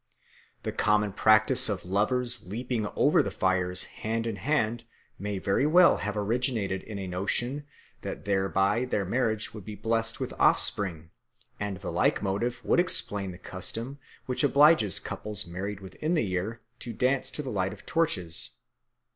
The common practice of lovers leaping over the fires hand in hand may very well have originated in a notion that thereby their marriage would be blessed with offspring; and the like motive would explain the custom which obliges couples married within the year to dance to the light of torches.